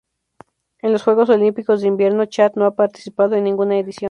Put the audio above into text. En los Juegos Olímpicos de Invierno Chad no ha participado en ninguna edición.